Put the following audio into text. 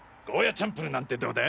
チャンプルなんてどうだ？